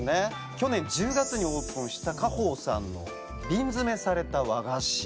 去年１０月にオープンした果朋さんの瓶詰めされた和菓子。